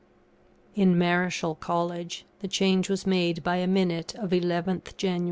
In Marischal College, the change was made by a minute of 11th Jan.